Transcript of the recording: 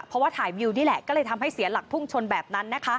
เพราะว่าถ่ายวิวนี่แหละก็เลยทำให้เสียหลักพุ่งชนแบบนั้นนะคะ